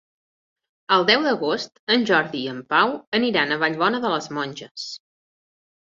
El deu d'agost en Jordi i en Pau aniran a Vallbona de les Monges.